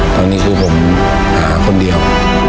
ตอนนี้คือผมหาคนเดียว